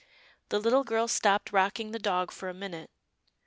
The little girl stopped rocking the dog for a minute.